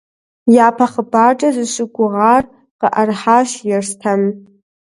Япэ хъыбаркӏэ зыщыгугъар къыӏэрыхьащ Ерстэм.